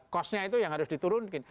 kosnya itu yang harus diturunkan